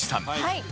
はい。